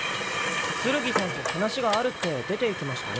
ツルギさんと話があるって出ていきましたよ。